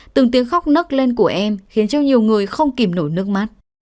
từng tiếng khóc nấc lên của em khiến cho nhiều người không kìm nổi nước mắt